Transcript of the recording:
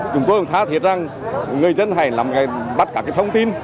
chúng tôi thả thiết rằng người dân hãy bắt các thông tin